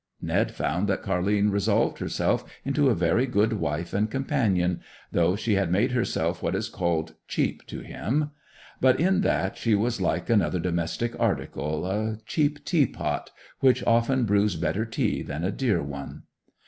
Ned found that Car'line resolved herself into a very good wife and companion, though she had made herself what is called cheap to him; but in that she was like another domestic article, a cheap tea pot, which often brews better tea than a dear one.